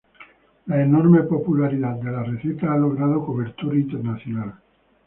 La enorme popularidad de la receta ha logrado cobertura internacional.